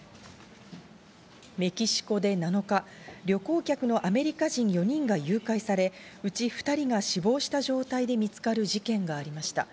メキシコで７日、旅行客のアメリカ人４人が誘拐され、うち２人が死亡した状態で見つかる事件がありました。